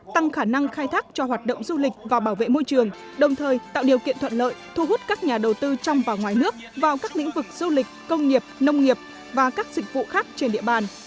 tăng khả năng khai thác cho hoạt động du lịch và bảo vệ môi trường đồng thời tạo điều kiện thuận lợi thu hút các nhà đầu tư trong và ngoài nước vào các lĩnh vực du lịch công nghiệp nông nghiệp và các dịch vụ khác trên địa bàn